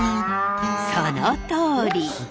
そのとおり！